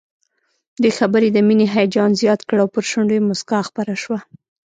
دې خبر د مينې هيجان زيات کړ او پر شونډو يې مسکا خپره شوه